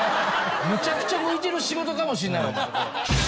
むちゃくちゃ向いてる仕事かもしれないわ。